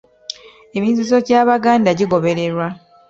Emizizo gy’Abaganda gigobererwa